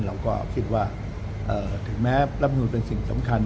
เราก็คิดว่าถึงแม้รับนูลเป็นสิ่งสำคัญ